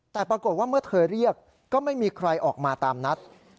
แต่ปรากฏว่าเมื่อเธอเรียกก็ไม่มีใครออกมาตามนัด